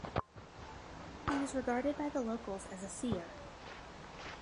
He was regarded by the locals as a seer.